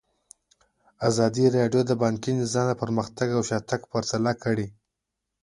ازادي راډیو د بانکي نظام پرمختګ او شاتګ پرتله کړی.